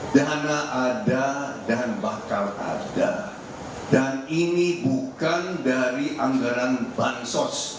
dana ada dan bakal ada dan ini bukan dari anggaran bansos